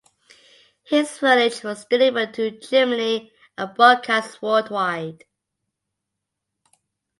His footage was delivered to Germany and broadcast worldwide.